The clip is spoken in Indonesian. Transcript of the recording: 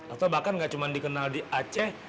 atau bahkan gak cuma dikenal di aceh